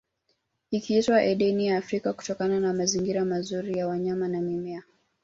Ikiitwa Edeni ya Afrika kutokana na mazingira mazuri ya wanyama na mimea